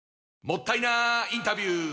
もったいなインタビュー！